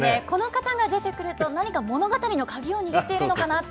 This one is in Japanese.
この方が出てくると、何か物語の鍵を握っているのかな？